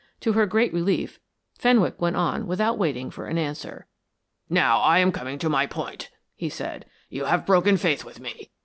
To her great relief, Fenwick went on without waiting for an answer. "Now I am coming to my point," he said. "You have broken faith with me.